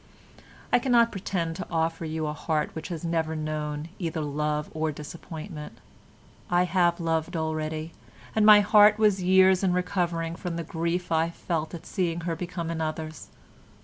"I cannot pretend to offer you a heart which has never known either love or disappointment. I have loved already, and my heart was years in recovering from the grief I felt at seeing her become another's.